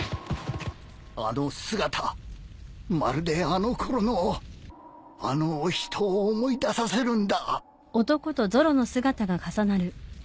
あの姿まるであのころのあのお人を思い出させるんだ。